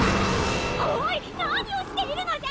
おい何をしているのじゃ！